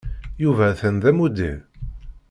Yuba atan d amuddir?